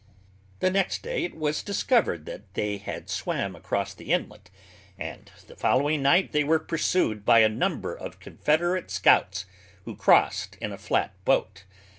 The next day it was discovered that they had swam across the inlet, and the following night they were pursued by a number of Confederate scouts who crossed in a flat boat.